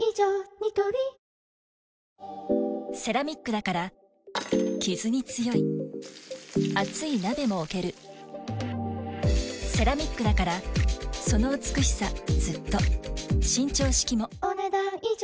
ニトリセラミックだからキズに強い熱い鍋も置けるセラミックだからその美しさずっと伸長式もお、ねだん以上。